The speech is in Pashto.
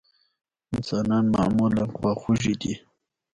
انسانان معمولا خواخوږي دي.